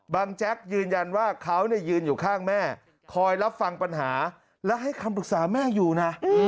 แจ๊กยืนยันว่าเขายืนอยู่ข้างแม่คอยรับฟังปัญหาและให้คำปรึกษาแม่อยู่นะ